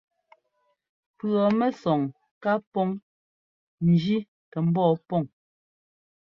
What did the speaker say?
Pʉ̈ɔmɛsɔŋ ká pɔŋ njí kɛ ḿbɔɔ pɔŋ.